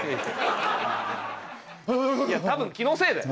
多分気のせいだよ。